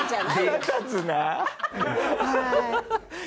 腹立つなあ。